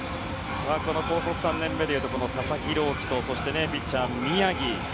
高卒３年目でいうと佐々木朗希とピッチャーの宮城。